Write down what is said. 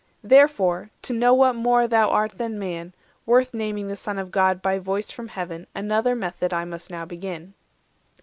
Therefore, to know what more thou art than man, Worth naming the Son of God by voice from Heaven, Another method I must now begin."